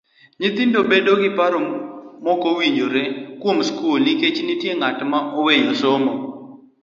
Nyithindo bedo gi paro mokowinjore kuom skul nikech nitie ng'at ma oweyo somo.